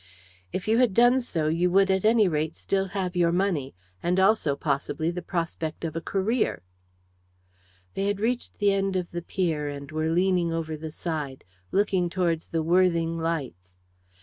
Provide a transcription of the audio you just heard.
"If you had done so you would at any rate still have your money, and also, possibly, the prospect of a career." They had reached the end of the pier, and were leaning over the side, looking towards the Worthing lights.